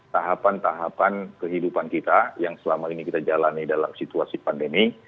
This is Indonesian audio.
tahapan tahapan kehidupan kita yang selama ini kita jalani dalam situasi pandemi